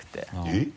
えっ？